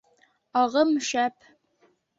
Ағым шәп.